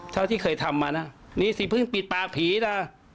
เท่าที่เคยทำมานะนี่สิเพิ่งปิดปากผีนะ